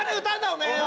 おめえよ！